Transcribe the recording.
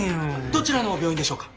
どちらの病院でしょうか？